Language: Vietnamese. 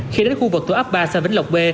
khi đến khu vực tủ ấp ba xa vĩnh lộc b